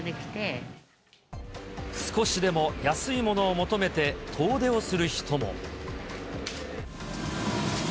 少しでも安いものを求めて、遠出をする人も。